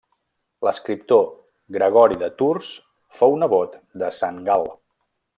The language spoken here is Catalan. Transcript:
L'escriptor Gregori de Tours fou nebot de Sant Gal.